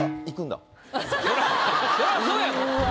そらそうやがな。